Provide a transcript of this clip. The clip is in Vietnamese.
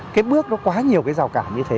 cái bước nó quá nhiều cái rào cản như thế